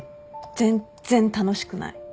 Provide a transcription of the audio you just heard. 全然楽しくない。